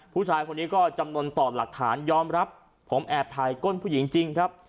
ผู้ชายคนนี้ก็จำนวนต่อหลักฐานยอมรับผมแอบถ่ายก้นผู้หญิงจริงครับ